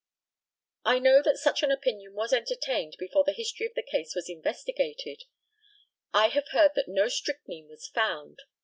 I know that such an opinion was entertained before the history of the case was investigated. I have heard that no strychnine was found.